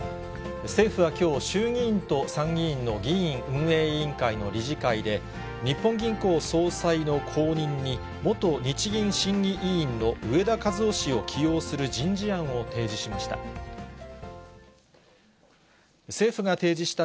政府はきょう、衆議院と参議院の議院運営委員会の理事会で、日本銀行総裁の後任に、元日銀審議委員の植田和男氏を起用する人事案を提示しました。